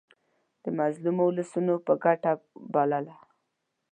د مظلومو اولسونو په ګټه بلله.